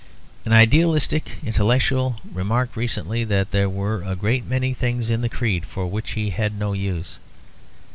An idealistic intellectual remarked recently that there were a great many things in the creed for which he had no use.